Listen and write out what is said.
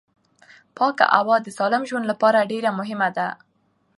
پاکه هوا د سالم ژوند لپاره ډېره مهمه ده